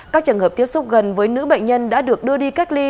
các trường hợp tiếp xúc gần với nữ bệnh nhân đã được đưa đi cách ly